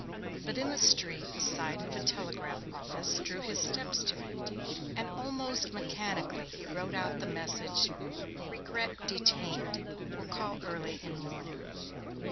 But in the street the sight of a telegraph office drew his steps to it, and almost mechanically he wrote out the message: 'Regret detained. Will call early in morning.'